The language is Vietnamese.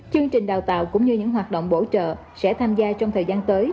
chương trình đào tạo cũng như những hoạt động bổ trợ sẽ tham gia trong thời gian tới